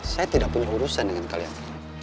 saya tidak punya urusan dengan kalian